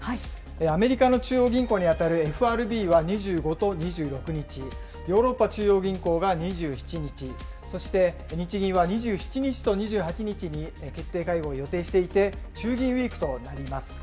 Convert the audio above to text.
アメリカの中央銀行に当たるＦＲＢは２５と２６日、ヨーロッパ中央銀行が２７日、そして、日銀は２７日と２８日に決定会合を予定していて、中銀ウィークとなります。